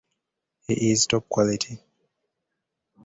He is top quality.